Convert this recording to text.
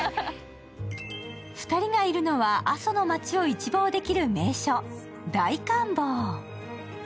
２人がいるのは阿蘇の街を一望できる名所、大観峰。